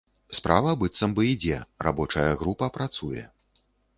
Справа, быццам бы, ідзе, рабочая група працуе.